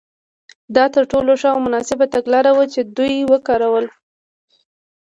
دا تر ټولو ښه او مناسبه تګلاره وه چې دوی وکارول.